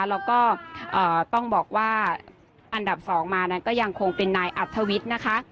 แล้วก็ต้องบอกว่าอันดับ๒มานั้นก็ยังคงเป็นนายอัธวิทย์นะคะ